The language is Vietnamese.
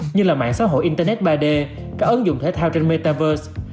như là mạng xã hội internet ba d các ứng dụng thể thao trên metaverse